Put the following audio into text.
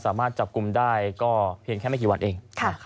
สามารถจับกลุ่มได้ก็เพียงแค่ไม่กี่วันเอง